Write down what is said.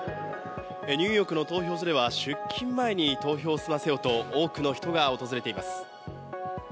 ニューヨークの投票所では出勤前に投票を済ませようと多くの人が訪れています。